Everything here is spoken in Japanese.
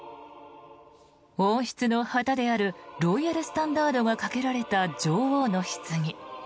王室の旗であるロイヤル・スタンダードがかけられた女王のひつぎ。